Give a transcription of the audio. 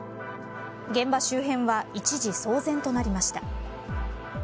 現場周辺は一時、騒然となりました。